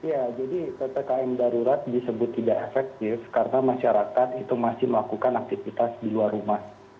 ya jadi ppkm darurat disebut tidak efektif karena masyarakat itu masih melakukan aktivitas di luar rumah